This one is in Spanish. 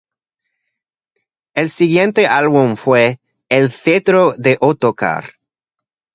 El siguiente álbum fue "El cetro de Ottokar".